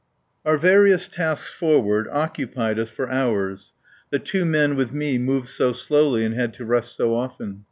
Our various tasks forward occupied us for hours, the two men with me moved so slow and had to rest so often.